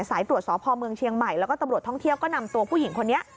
สายตรวจสพเมืองเชียงใหม่แล้วก็ตำรวจท่องเที่ยวก็นำตัวผู้หญิงคนนี้